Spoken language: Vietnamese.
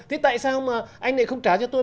thì tại sao mà anh lại không trả cho tôi